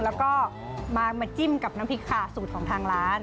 แล้วก็มาจิ้มกับน้ำพริกขาสูตรของทางร้าน